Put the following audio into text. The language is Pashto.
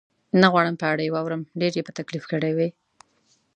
نه غواړم په اړه یې واورم، ډېر یې په تکلیف کړی وې؟